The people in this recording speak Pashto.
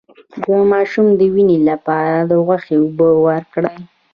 د ماشوم د وینې لپاره د غوښې اوبه ورکړئ